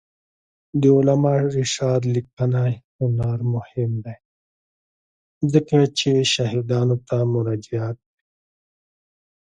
د علامه رشاد لیکنی هنر مهم دی ځکه چې شاهدانو ته مراجعه کوي.